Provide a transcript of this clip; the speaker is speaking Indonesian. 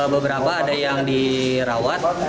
beberapa ada yang dirawat